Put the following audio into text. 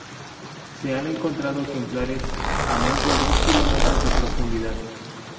Se han encontrado ejemplares a más de dos kilómetros de profundidad.